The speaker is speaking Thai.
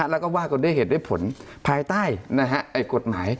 แล้วก็ว่ากันด้วยเหตุด้วยผลภายใต้กฎหมาย